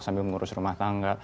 sambil mengurus rumah tangga